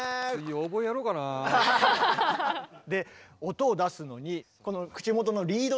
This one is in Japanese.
音を出すのにこの口元のリードですね。